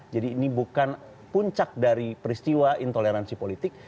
jadi ini bukan puncak dari peristiwa intoleransi politik